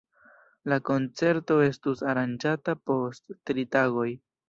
La koncerto estus aranĝata post tri tagoj.